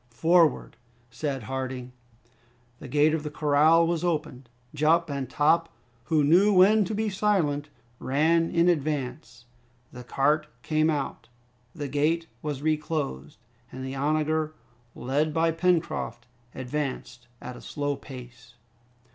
"Forward!" said Harding. The gate of the corral was opened. Jup and Top, who knew when to be silent, ran in advance. The cart came out, the gate was reclosed, and the onager, led by Pencroft, advanced at a slow pace.